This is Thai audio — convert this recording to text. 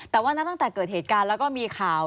แต่ว่านับตั้งแต่เกิดเหตุการณ์แล้วก็มีข่าว